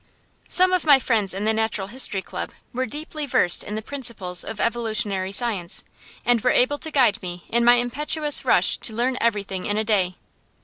Some of my friends in the Natural History Club were deeply versed in the principles of evolutionary science, and were able to guide me in my impetuous rush to learn everything in a day.